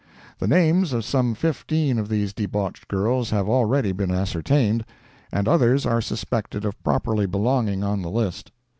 The names of some fifteen of these debauched girls have already been ascertained, and others are suspected of properly belonging on the list.